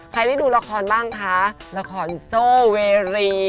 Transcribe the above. ใครได้ดูละครบ้างคะละครโซเวรี